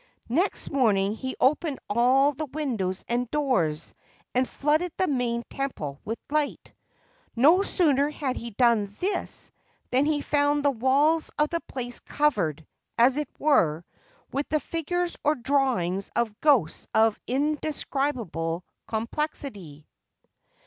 Next morning he opened all the windows and doors and flooded the main temple with light. No sooner had he done this than he found the walls of the place covered, as it were, with the figures or drawings of ghosts of indescribable complexity.